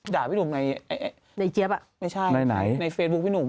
ด่าพี่หนุ่มในไม่ใช่ในไหนในเฟซบุ๊คพี่หนุ่ม